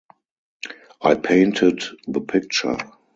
I painted the picture!